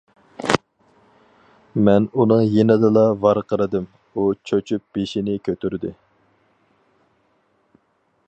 مەن ئۇنىڭ يېنىدىلا ۋارقىرىدىم، ئۇ چۆچۈپ بېشىنى كۆتۈردى.